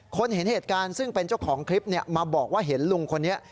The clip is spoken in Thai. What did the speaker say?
เห็นเหตุการณ์ซึ่งเป็นเจ้าของคลิปมาบอกว่าเห็นลุงคนนี้